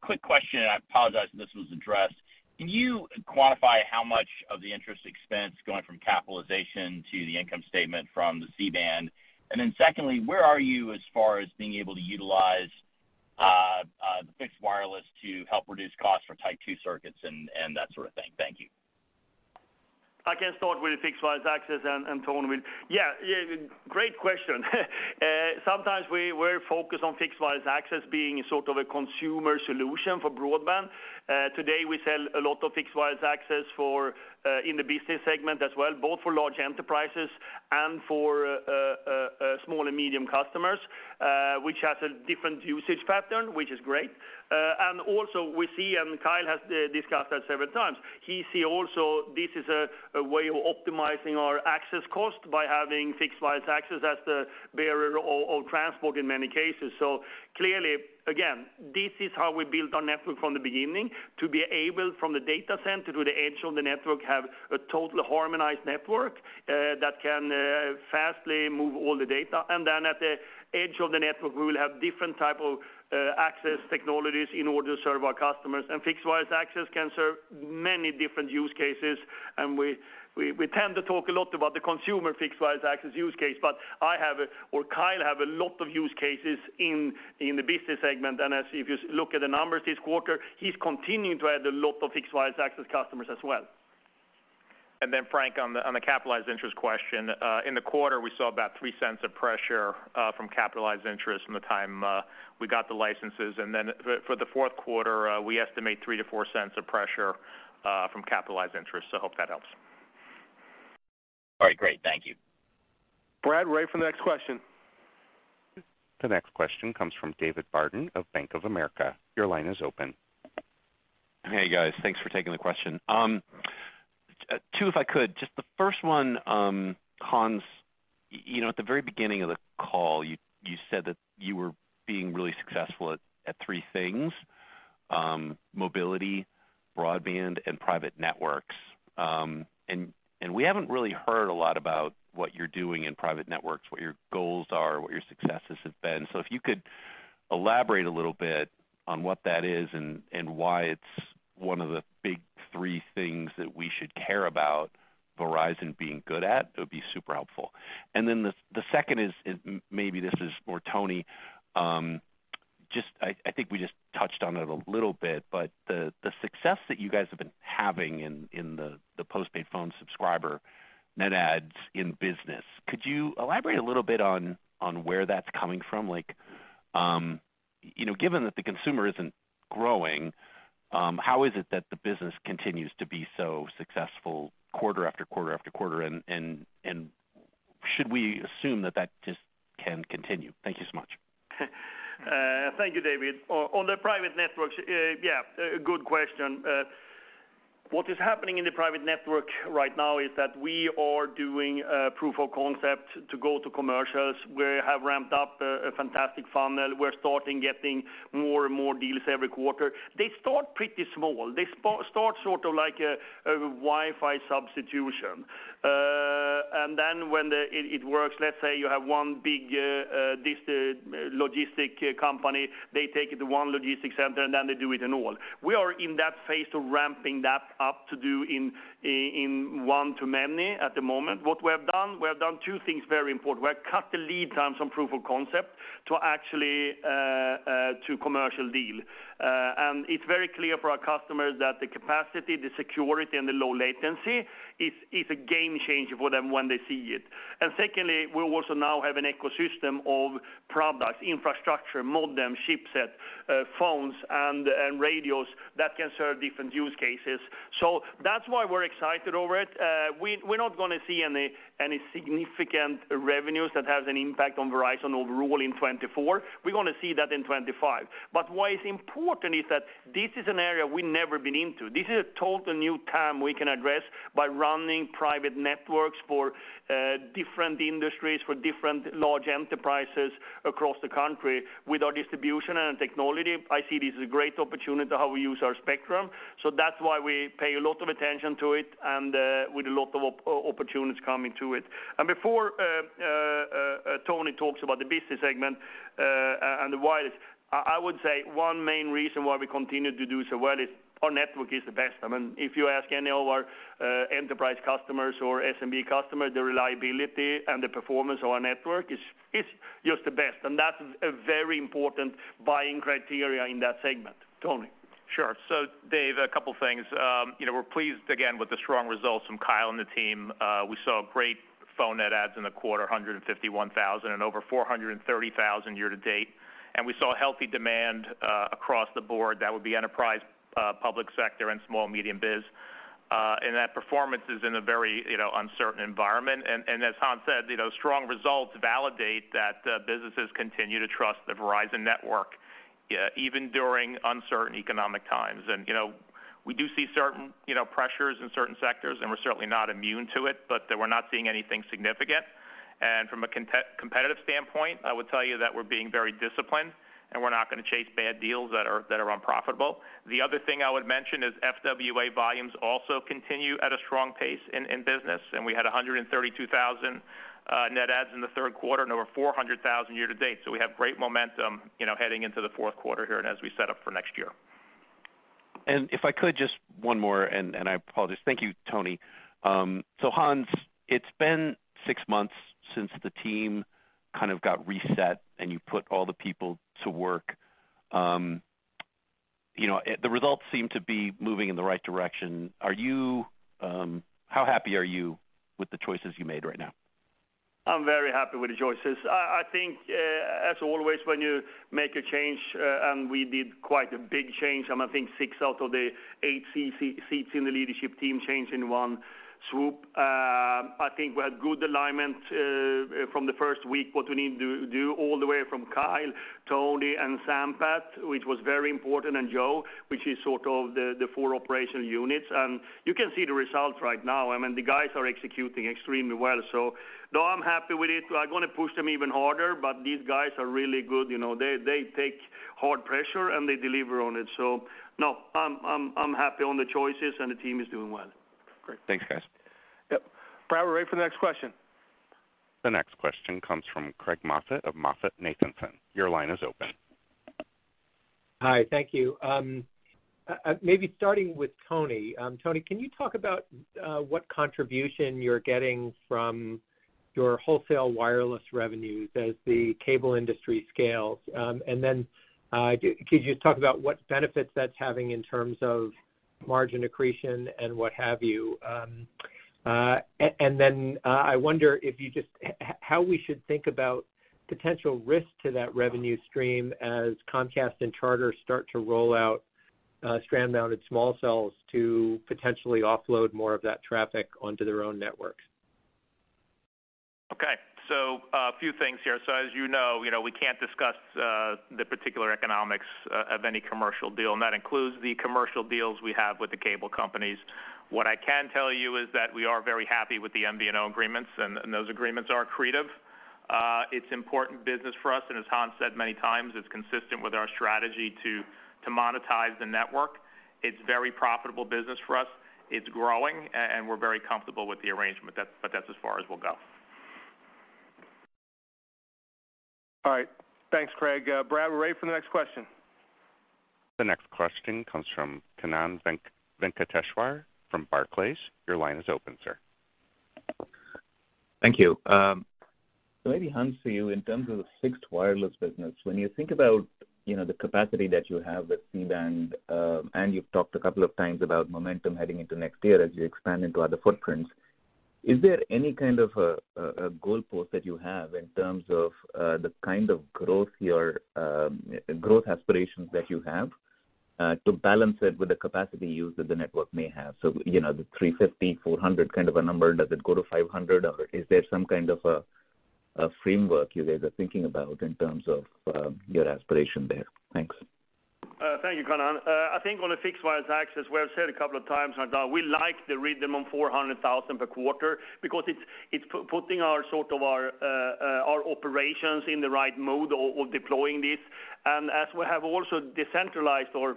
Quick question, and I apologize if this was addressed. Can you quantify how much of the interest expense going from capitalization to the income statement from the C-band? And then secondly, where are you as far as being able to utilize fixed wireless to help reduce costs for Type 2 circuits and that sort of thing? Thank you. I can start with the fixed wireless access, and Tony will... Yeah, yeah, great question. Sometimes we're focused on fixed wireless access being sort of a consumer solution for broadband. Today, we sell a lot of fixed wireless access for in the business segment as well, both for large enterprises and for small and medium customers, which has a different usage pattern, which is great. And also we see, and Kyle has discussed that several times, he see also this is a way of optimizing our access cost by having fixed wireless access as the bearer of transport in many cases. So clearly, again, this is how we built our network from the beginning, to be able, from the data center to the edge of the network, have a totally harmonized network that can fastly move all the data. And then at the edge of the network, we will have different type of access technologies in order to serve our customers. And fixed wireless access can serve many different use cases, and we tend to talk a lot about the consumer fixed wireless access use case, but I have, or Kyle have a lot of use cases in the business segment. And as if you look at the numbers this quarter, he's continuing to add a lot of fixed wireless access customers as well.... And then, Frank, on the capitalized interest question, in the quarter, we saw about 0.03 of pressure from capitalized interest from the time we got the licenses. And then for the fourth quarter, we estimate 0.03-0.04 of pressure from capitalized interest. So I hope that helps. All right, great. Thank you. Brad, we're ready for the next question. The next question comes from David Barden of Bank of America. Your line is open. Hey, guys. Thanks for taking the question. Two, if I could, just the first one, Hans, you know, at the very beginning of the call, you, you said that you were being really successful at, at three things, mobility, broadband, and private networks. And, and we haven't really heard a lot about what you're doing in private networks, what your goals are, what your successes have been. So if you could elaborate a little bit on what that is and, and why it's one of the big three things that we should care about Verizon being good at, it would be super helpful. And then the second is, maybe this is more Tony. Just, I think we just touched on it a little bit, but the success that you guys have been having in the postpaid phone subscriber net adds in business, could you elaborate a little bit on where that's coming from? Like, you know, given that the consumer isn't growing, how is it that the business continues to be so successful quarter after quarter-after-quarter, and should we assume that that just can continue? Thank you so much. Thank you, David. On the private networks, yeah, a good question. What is happening in the private network right now is that we are doing a proof of concept to go to commercials. We have ramped up a fantastic funnel. We're starting getting more and more deals every quarter. They start pretty small. They start sort of like a Wi-Fi substitution. And then when the... It works, let's say you have one big, this logistics company, they take it to one logistics center, and then they do it in all. We are in that phase of ramping that up to do in one-to-many at the moment. What we have done, we have done two things very important. We have cut the lead times from proof of concept to actually, to commercial deal. And it's very clear for our customers that the capacity, the security, and the low latency is a game changer for them when they see it. And secondly, we also now have an ecosystem of products, infrastructure, modem, chipset, phones, and radios that can serve different use cases. So that's why we're excited over it. We're not gonna see any significant revenues that has an impact on Verizon overall in 2024. We're gonna see that in 2025. But what is important is that this is an area we've never been into. This is a total new term we can address by running private networks for different industries, for different large enterprises across the country. With our distribution and technology, I see this as a great opportunity how we use our spectrum. So that's why we pay a lot of attention to it and with a lot of opportunities coming to it. And before Tony talks about the business segment and the wireless, I would say one main reason why we continue to do so well is our network is the best. I mean, if you ask any of our enterprise customers or SMB customers, the reliability and the performance of our network is just the best, and that is a very important buying criteria in that segment. Tony? Sure. So Dave, a couple of things. You know, we're pleased again with the strong results from Kyle and the team. We saw great phone net adds in the quarter, 151,000 and over 430,000 year-to-date. We saw healthy demand across the board. That would be enterprise, public sector, and small, medium biz. And that performance is in a very, you know, uncertain environment. And as Hans said, you know, strong results validate that businesses continue to trust the Verizon network, even during uncertain economic times. And, you know, we do see certain, you know, pressures in certain sectors, and we're certainly not immune to it, but that we're not seeing anything significant. And from a competitive standpoint, I would tell you that we're being very disciplined, and we're not gonna chase bad deals that are, that are unprofitable. The other thing I would mention is FWA volumes also continue at a strong pace in, in business, and we had 132,000 net adds in the third quarter and over 400,000 year-to-date. So we have great momentum, you know, heading into the fourth quarter here and as we set up for next year. And if I could, just one more, and I apologize. Thank you, Tony. So Hans, it's been six months since the team kind of got reset and you put all the people to work. You know, the results seem to be moving in the right direction. Are you... How happy are you with the choices you made right now? I'm very happy with the choices. I think, as always, when you make a change, and we did quite a big change, I mean, I think six out of the eight seats in the leadership team changed in one swoop. I think we had good alignment, from the first week, what we need to do, all the way from Kyle, Tony, and Sampath, which was very important, and Joe, which is sort of the four operational units. And you can see the results right now. I mean, the guys are executing extremely well. So no, I'm happy with it. I'm gonna push them even harder, but these guys are really good. You know, they take hard pressure, and they deliver on it. So no, I'm happy on the choices, and the team is doing well. Great. Thanks, guys. Yep. Brad, we're ready for the next question. The next question comes from Craig Moffett of MoffettNathanson. Your line is open. Hi, thank you. Maybe starting with Tony. Tony, can you talk about what contribution you're getting from-... your wholesale wireless revenues as the cable industry scales? And then, could you just talk about what benefits that's having in terms of margin accretion and what have you? And then, I wonder how we should think about potential risk to that revenue stream as Comcast and Charter start to roll out strand-mounted small cells to potentially offload more of that traffic onto their own networks? Okay. So a few things here. So as you know, you know, we can't discuss the particular economics of any commercial deal, and that includes the commercial deals we have with the cable companies. What I can tell you is that we are very happy with the MVNO agreements, and those agreements are accretive. It's important business for us, and as Hans said many times, it's consistent with our strategy to monetize the network. It's very profitable business for us. It's growing, and we're very comfortable with the arrangement. But that's as far as we'll go. All right. Thanks, Craig. Brad, we're ready for the next question. The next question comes from Kannan Venkateshwar from Barclays. Your line is open, sir. Thank you. So maybe Hans, for you, in terms of the fixed wireless business, when you think about, you know, the capacity that you have with C-band, and you've talked a couple of times about momentum heading into next year as you expand into other footprints, is there any kind of a, a, a goalpost that you have in terms of, the kind of growth you're, growth aspirations that you have, to balance it with the capacity use that the network may have? So, you know, the 350, 400 kind of a number, does it go to 500, or is there some kind of a, a framework you guys are thinking about in terms of, your aspiration there? Thanks. Thank you, Kannan. I think on the fixed wireless access, we have said a couple of times that we like the rhythm on 400,000 per quarter because it's putting our, sort of our, our operations in the right mode of deploying this. As we have also decentralized or regionalized our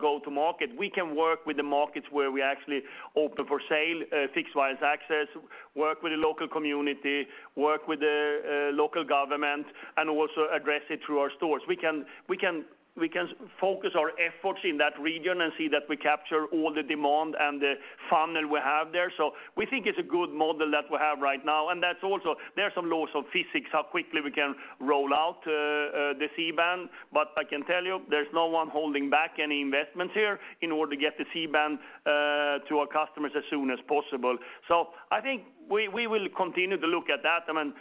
go-to-market, we can work with the markets where we actually open for sale fixed wireless access, work with the local community, work with the local government, and also address it through our stores. We can focus our efforts in that region and see that we capture all the demand and the funnel we have there. We think it's a good model that we have right now, and that's also... There are some laws of physics, how quickly we can roll out, the C-band, but I can tell you, there's no one holding back any investments here in order to get the C-band, to our customers as soon as possible. So I think we, we will continue to look at that, I mean,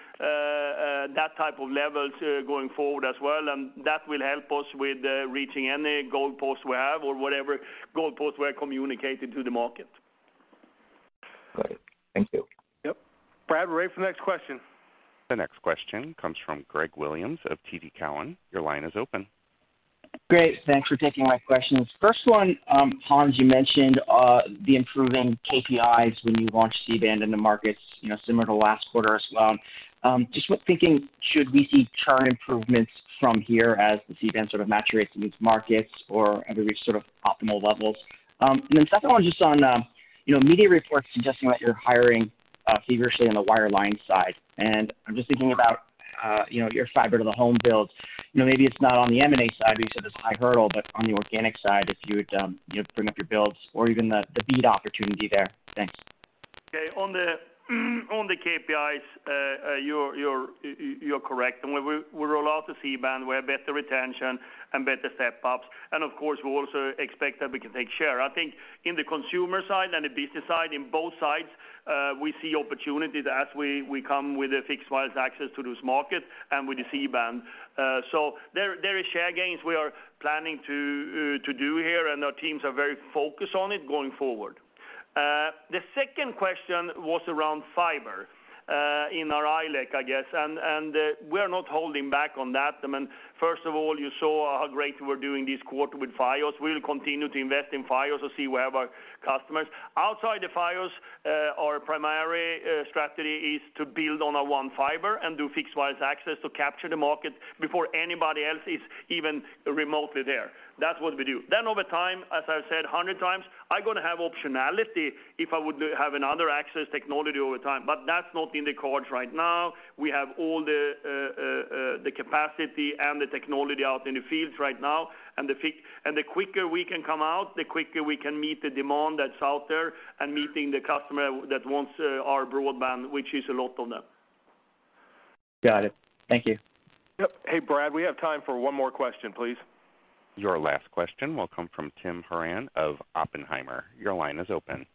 that type of levels, going forward as well, and that will help us with, reaching any goalposts we have or whatever goalposts we're communicating to the market. Got it. Thank you. Yep. Brad, we're ready for the next question. The next question comes from Greg Williams of TD Cowen. Your line is open. Great, thanks for taking my questions. First one, Hans, you mentioned the improving KPIs when you launched C-band in the markets, you know, similar to last quarter as well. Just what thinking, should we see chart improvements from here as the C-band sort of maturates in these markets, or have we reached sort of optimal levels? And then second one, just on, you know, media reports suggesting that you're hiring feverishly on the wireline side, and I'm just thinking about, you know, your fiber to the home builds. You know, maybe it's not on the M&A side, but you said it's high hurdle, but on the organic side, if you would, you know, bring up your builds or even the, the BEAD opportunity there. Thanks. Okay. On the KPIs, you're correct. And when we roll out the C-band, we have better retention and better step-ups, and of course, we also expect that we can take share. I think in the consumer side and the business side, in both sides, we see opportunities as we come with a fixed wireless access to this market and with the C-band. So there is share gains we are planning to do here, and our teams are very focused on it going forward. The second question was around fiber in our ILEC, I guess. And we are not holding back on that. I mean, first of all, you saw how great we're doing this quarter with Fios. We'll continue to invest in Fios to see where our customers. Outside the Fios, our primary strategy is to build on our One Fiber and do fixed wireless access to capture the market before anybody else is even remotely there. That's what we do. Then over time, as I've said 100 times, I'm gonna have optionality if I would have another access technology over time, but that's not in the cards right now. We have all the, the capacity and the technology out in the fields right now, and the quicker we can come out, the quicker we can meet the demand that's out there and meeting the customer that wants, our broadband, which is a lot of them. Got it. Thank you. Yep. Hey, Brad, we have time for one more question, please. Your last question will come from Tim Horan of Oppenheimer. Your line is open.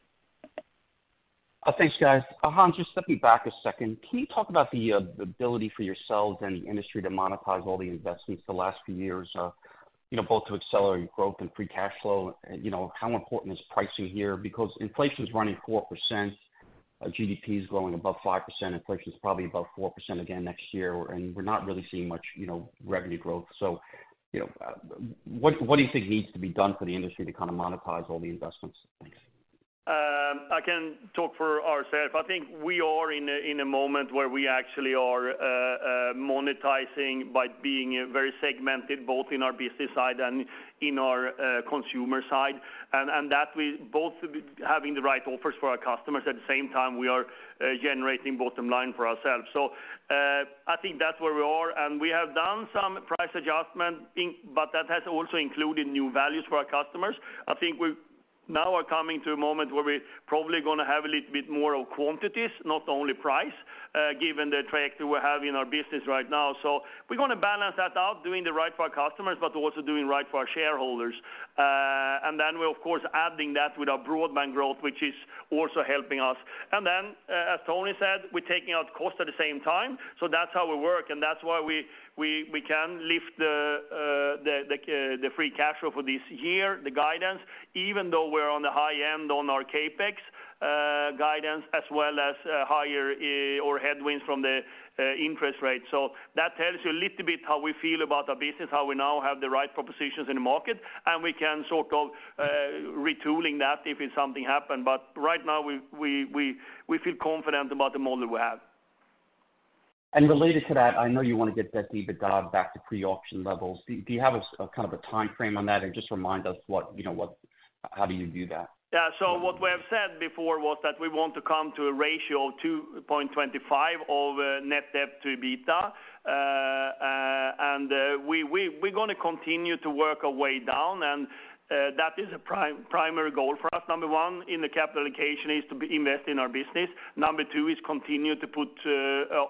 Thanks, guys. Hans, just stepping back a second, can you talk about the ability for yourselves and the industry to monetize all the investments the last few years, you know, both to accelerate growth and free cash flow? And, you know, how important is pricing here? Because inflation is running 4%, GDP is growing above 5%, inflation is probably above 4% again next year, and we're not really seeing much, you know, revenue growth. So, you know, what do you think needs to be done for the industry to kind of monetize all the investments? Thanks. I can talk for ourself. I think we are in a moment where we actually are monetizing by being very segmented, both in our business side and in our consumer side, and that we both having the right offers for our customers, at the same time, we are generating bottom line for ourselves. So, I think that's where we are, and we have done some price adjustment, but that has also included new values for our customers. I think we've now are coming to a moment where we're probably gonna have a little bit more of quantities, not only price, given the trajectory we have in our business right now. So we're gonna balance that out, doing the right for our customers, but also doing right for our shareholders... And then we're, of course, adding that with our broadband growth, which is also helping us. And then, as Tony said, we're taking out costs at the same time. So that's how we work, and that's why we can lift the the free cash flow for this year, the guidance, even though we're on the high end on our CapEx guidance, as well as higher or headwinds from the interest rate. So that tells you a little bit how we feel about our business, how we now have the right propositions in the market, and we can sort of retooling that if something happen. But right now, we feel confident about the model we have. Related to that, I know you want to get that EBITDA back to pre-auction levels. Do you have a kind of a timeframe on that? Or just remind us what, you know, what... How do you do that? Yeah, so what we have said before was that we want to come to a ratio of 2.25 of net debt to EBITDA. And we are gonna continue to work our way down, and that is a primary goal for us. Number one, in the capital allocation, is to invest in our business. Number two, is continue to put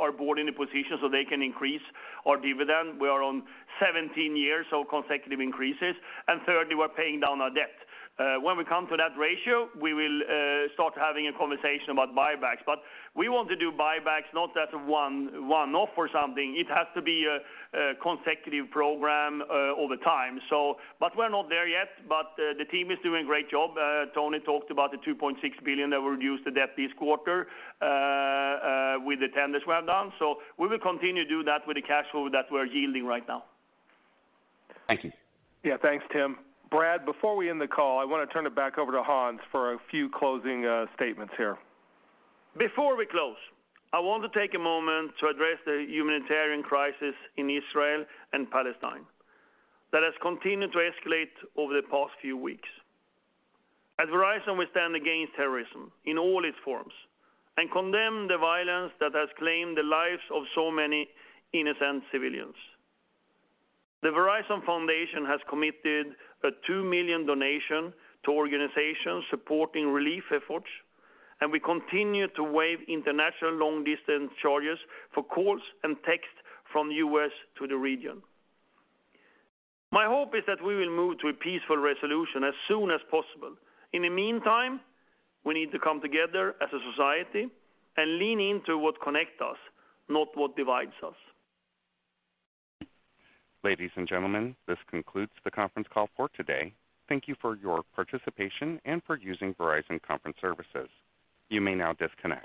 our board in a position so they can increase our dividend. We are on 17 years of consecutive increases, and thirdly, we're paying down our debt. When we come to that ratio, we will start having a conversation about buybacks. But we want to do buybacks, not as a one-off or something. It has to be a consecutive program all the time. We're not there yet, but the team is doing a great job. Tony talked about the 2.6 billion that reduced the debt this quarter, with the tenders we have done. So we will continue to do that with the cash flow that we're yielding right now. Thank you. Yeah, thanks, Tim. Brad, before we end the call, I want to turn it back over to Hans for a few closing statements here. Before we close, I want to take a moment to address the humanitarian crisis in Israel and Palestine that has continued to escalate over the past few weeks. At Verizon, we stand against terrorism in all its forms and condemn the violence that has claimed the lives of so many innocent civilians. The Verizon Foundation has committed a 2 million donation to organizations supporting relief efforts, and we continue to waive international long-distance charges for calls and texts from the U.S. to the region. My hope is that we will move to a peaceful resolution as soon as possible. In the meantime, we need to come together as a society and lean into what connect us, not what divides us. Ladies and gentlemen, this concludes the conference call for today. Thank you for your participation and for using Verizon Conference Services. You may now disconnect.